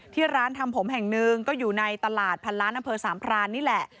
ที่ร้านทำผมแห่งหนึ่งก็อยู่ในตลาดพันล้านอำเภอสามพรานนี่แหละ